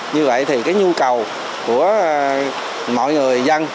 như vậy thì cái nhu cầu của mọi người dân